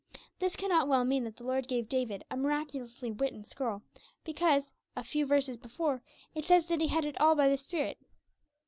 This cannot well mean that the Lord gave David a miraculously written scroll, because, a few verses before, it says that he had it all by the Spirit.